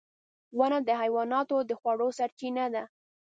• ونه د حیواناتو د خوړو سرچینه ده.